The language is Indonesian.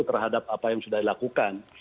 terhadap apa yang sudah dilakukan